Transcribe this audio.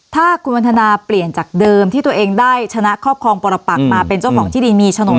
ถ้าคุณวันทนาเปลี่ยนจากเดิมที่ตัวเองได้ชนะครอบครองปรปักมาเป็นเจ้าของที่ดีมีโฉนด